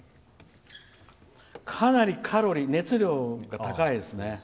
かなりカロリー熱量が高いですね。